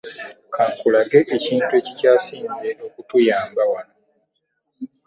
Ka nkulage ekintu ekikyasinze okutuyamba wano.